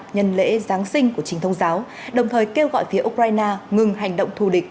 nhân lễ giáng sinh của chính thông giáo đồng thời kêu gọi phía ukraine ngừng hành động thù địch